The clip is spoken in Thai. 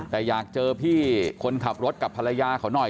แต่อยากเจอพี่คนขับรถกับภรรยาเขาหน่อย